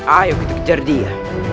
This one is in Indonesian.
ayo kita kejar dia